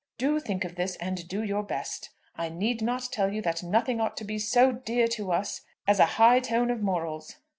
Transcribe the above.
"Do think of this, and do your best. I need not tell you that nothing ought to be so dear to us as a high tone of morals.